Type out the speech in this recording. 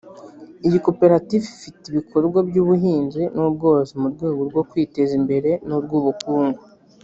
Iyi Koperative ifite ibikorwa by’ubuhinzi n’ubworozi mu rwego rwo kwiteza imbere n’urw’ubukungu